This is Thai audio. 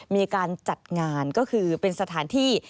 มีการจัดงานก็คือเป็นสถานที่